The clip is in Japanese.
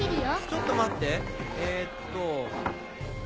ちょっと待ってえっと。